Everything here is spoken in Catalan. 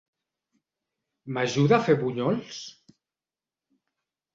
M'ajuda a fer bunyols?